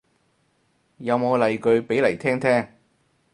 有冇例句俾嚟聽聽